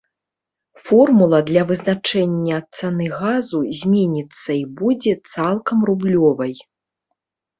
Формула для вызначэння цаны газу зменіцца і будзе цалкам рублёвай.